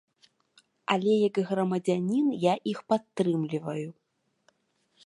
Але як грамадзянін я іх падтрымліваю.